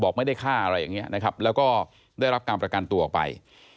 ไม่ได้ฆ่าอะไรอย่างนี้นะครับแล้วก็ได้รับการประกันตัวออกไป